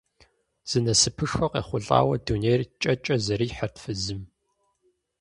Зы насыпышхуэ къехъулӀауэ дунейр кӀэкӀэ зэрихьэрт фызым.